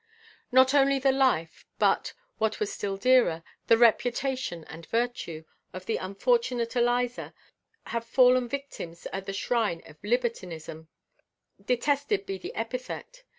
Not only the life, but, what was still dearer, the reputation and virtue? of the unfortunate Eliza have fallen victims at the shrine of libertinism. Detested be the epithet.